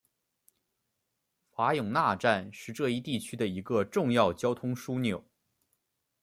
瓦永纳站是这一地区的一个重要交通枢纽。